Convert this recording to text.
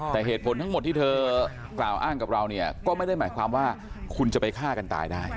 แต่เหตุผลทั้งหมดที่เธอกล่าวอ้างกับเราเนี่ยก็ไม่ได้หมายความว่าคุณจะไปฆ่ากันตายได้